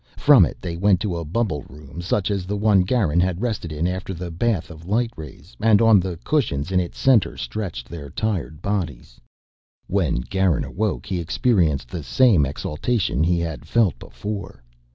From it they went to a bubble room such as the one Garin had rested in after the bath of light rays, and on the cushions in its center stretched their tired bodies. When Garin awoke he experienced the same exultation he had felt before.